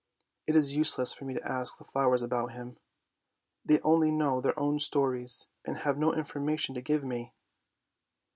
It is useless for me to ask the flowers about him. They only know their own stories, and have no information to give me."